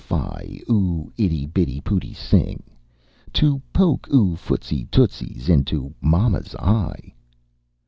fie! oo itty bitty pooty sing! To poke oo footsy tootsys into momma's eye!"